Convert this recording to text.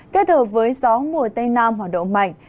kết hợp với gió mùa tây nam hoạt động mạnh